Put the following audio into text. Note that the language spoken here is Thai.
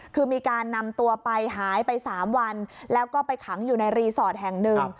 คือมีการนำตัวไปหายไป๓วันแล้วก็ไปขังอยู่ในรีสอร์ทแห่งหนึ่ง